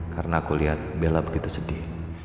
karena aku liat bella begitu sedih